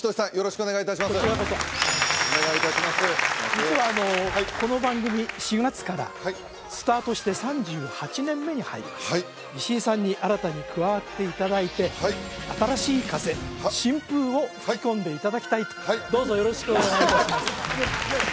実はこの番組４月からスタートして３８年目に入ります石井さんに新たに加わっていただいて新しい風どうぞよろしくお願いいたします